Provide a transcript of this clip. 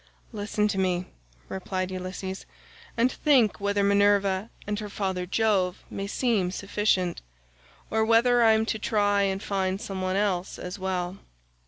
"Listen to me," replied Ulysses, "and think whether Minerva and her father Jove may seem sufficient, or whether I am to try and find some one else as well."